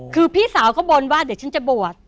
คือพี่สาวก็บนว่าเดี๋ยวฉันจะบวช